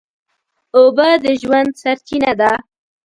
اوبه د ژوند سرچینه ده.